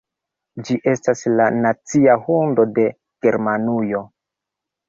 Ĝi estas la nacia hundo de Germanujo.